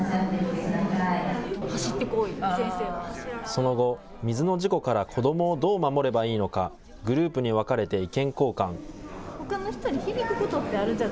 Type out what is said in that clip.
その後、水の事故から子どもをどう守ればいいのか、グループに分かれて意見交換。